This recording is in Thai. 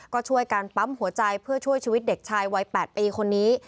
ก็ช่วยการปั๊มหัวใจเพื่อช่วยชีวิตเด็กชายวัย๘ปีคนนี้